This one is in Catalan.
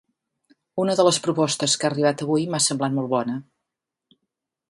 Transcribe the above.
Una de les propostes que ha arribat avui m'ha semblat molt bona.